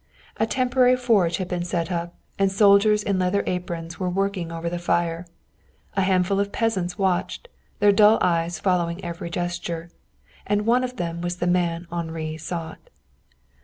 A temporary forge had been set up, and soldiers in leather aprons were working over the fire. A handful of peasants watched, their dull eyes following every gesture. And one of them was a man Henri sought.